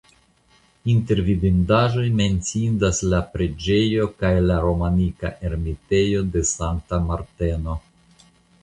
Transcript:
Inter vidindaĵoj menciindas la preĝejo kaj la romanika ermitejo de Sankta Marteno.